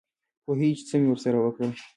پوهېږې چې څه مې ورسره وکړل.